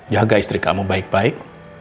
jaga istri kamu baik baik